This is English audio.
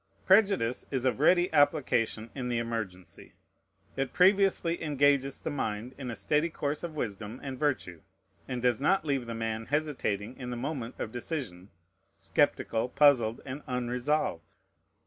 Prejudice is of ready application in the emergency; it previously engages the mind in a steady course of wisdom and virtue, and does not leave the man hesitating in the moment of decision, skeptical, puzzled, and unresolved.